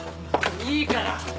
いいから！